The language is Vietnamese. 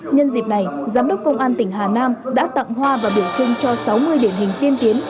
nhân dịp này giám đốc công an tỉnh hà nam đã tặng hoa và biểu trưng cho sáu mươi điển hình tiên tiến